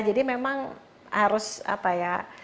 jadi memang harus apa ya